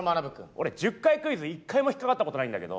俺１０回クイズ１回も引っ掛かったことないんだけど。